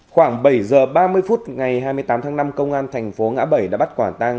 khoảng bảy h ba mươi phút ngày hai mươi tám tháng năm công an thành phố ngã bảy đã bắt quả tang